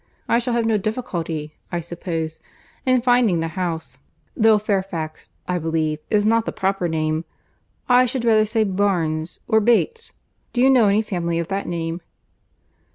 I shall have no difficulty, I suppose, in finding the house; though Fairfax, I believe, is not the proper name—I should rather say Barnes, or Bates. Do you know any family of that name?"